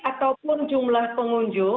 ataupun jumlah pengunjung